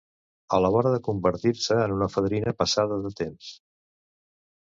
A la vora de convertir-se en una fadrina passada de temps.